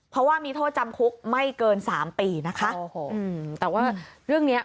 เพราะว่ามีโทษจำคุกไม่เกินสามปีนะคะโอ้โหอืมแต่ว่าเรื่องเนี้ย